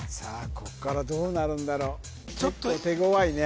こっからどうなるんだろうちょっと手ごわいね